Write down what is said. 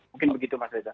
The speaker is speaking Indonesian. mungkin begitu mas reza